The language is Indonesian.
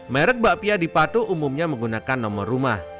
merek bakpia di pato umumnya menggunakan nomor rumah